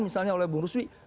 misalnya oleh bung ruswi